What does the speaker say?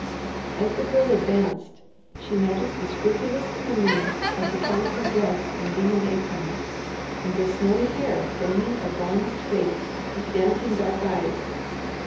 As the Girl advanced she noticed the scrupulous cleanliness of the calico dress and gingham apron, and the snowy hair framing a bronzed face with dancing dark eyes.